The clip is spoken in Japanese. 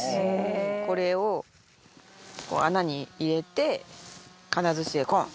これを穴に入れて金づちで、ゴン！